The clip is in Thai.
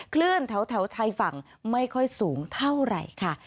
คลื่นแถวชายฝั่งไม่ค่อยสูงเท่าไหร่ค่ะ